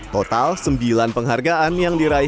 total sembilan penghargaan yang diraih